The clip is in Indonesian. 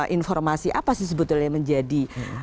informasi apa sih sebetulnya yang menjadi